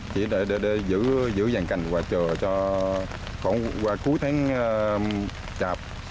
chỉ để giữ dàn cành và chờ cho khoảng cuối tháng chạp